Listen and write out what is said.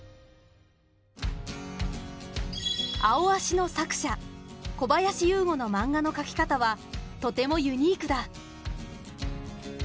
「アオアシ」の作者小林有吾のマンガの描き方はとてもユニークだ。